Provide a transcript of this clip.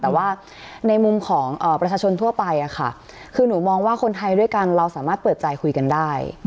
แต่ว่าในมุมของประชาชนทั่วไปคือหนูมองว่าคนไทยด้วยกันเราสามารถเปิดใจคุยกันได้